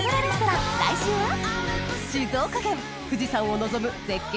静岡県富士山を望む絶景